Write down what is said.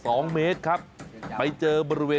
แต่ก็ไม่รู้สุดท้ายก็ไปเจองูนี่แหละ